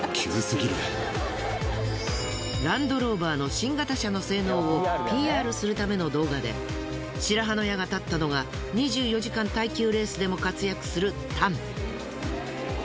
ランドローバーの新型車の性能をＰＲするための動画で白羽の矢が立ったのが２４時間耐久レースでも活躍するタン。